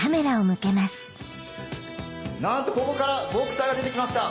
なんとここからボクサーが出て来ました。